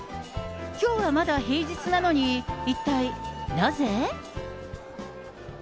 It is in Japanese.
きょうはまだ平日なのに一体なぜ？